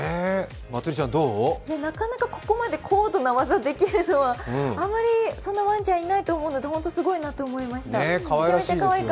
なかなかここまで高度な技をできるのは、あまりそんなワンちゃんいないと思うので、本当にすごいなと思いました。